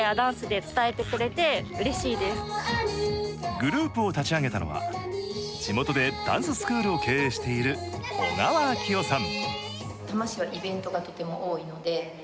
グループを立ち上げたのは、地元でダンススクールを経営している小川晃世さん。